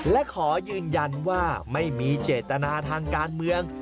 และขอยืนยันว่าไม่มีเจตนาทางการเมือง